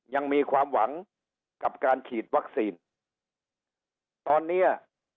ยังมีความหวังกับการฉีดวัคซีนตอนเนี้ย